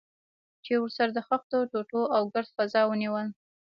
چې ورسره د خښتو ټوټو او ګرد فضا ونیول.